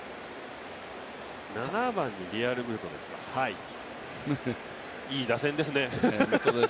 ７番のリアルミュートですかいい打線ですね。